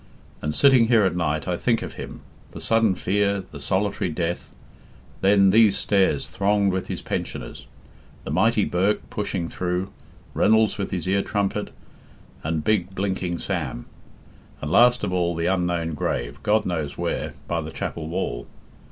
And sitting here at night I think of him the sudden fear, the solitary death, then these stairs thronged with his pensioners, the mighty Burke pushing through, Reynolds with his ear trumpet, and big 'blinking Sam,' and last of all the unknown grave, God knows where, by the chapel wall.